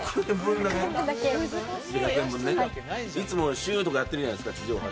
いつも「シュ」とかやってるじゃないですか地上波で。